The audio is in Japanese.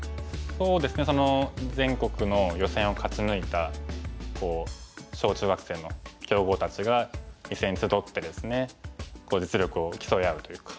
そうですね全国の予選を勝ち抜いた小中学生の強豪たちが一斉に集ってですね実力を競い合うというか。